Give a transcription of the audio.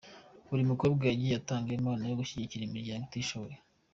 Buri mukobwa yagiye atanga impano yo gushyigikira imiryango itishoboye.